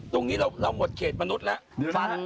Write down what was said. ตรงนี้เราหมดเขตมนุษย์แล้ว